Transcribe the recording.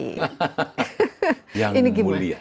hahaha yang mulia